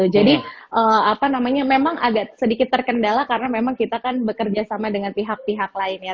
jadi memang agak sedikit terkendala karena memang kita kan bekerja sama dengan pihak pihak lain ya